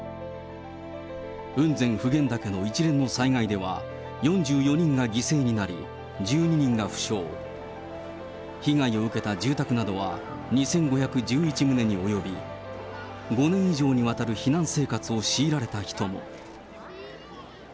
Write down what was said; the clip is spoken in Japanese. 雲仙・普賢岳の一連の災害では、４４人が犠牲になり、１２人が負傷、被害を受けた住宅などは２５１１棟に及び、５年以上にわたる避難生活を強いられた人も。